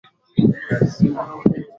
go ni kumaliza ghasia ambazo zinazuka